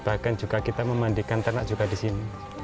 bahkan juga kita memandikan tanak juga disini